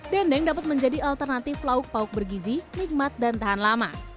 dendeng dapat menjadi alternatif lauk pauk bergizi nikmat dan tahan lama